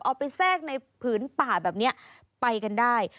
เอาไปแทรกในผืนป่าแบบนี้ไปกันได้